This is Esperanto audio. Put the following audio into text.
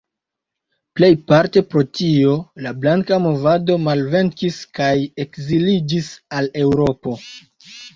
Plejparte pro tio la Blanka movado malvenkis kaj ekziliĝis al Eŭropo.